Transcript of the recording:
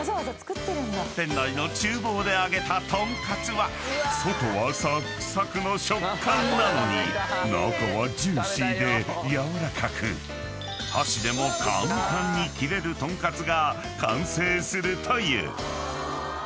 ［店内の厨房で揚げたとんかつは外はサクサクの食感なのに中はジューシーで軟らかく箸でも簡単に切れるとんかつが完成するという］